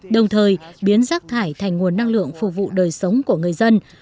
đồng thời biến rác thải thành nguồn năng lượng phục vụ đời sống của người dân